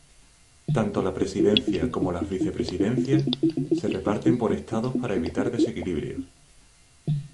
Tanto la presidencia como las vicepresidencias se reparten por estados para evitar desequilibrios.